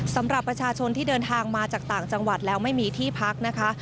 สำหรับประชาชนที่เดินทางมาจากต่างจังหวัดแล้วไม่มีที่พักนะคะ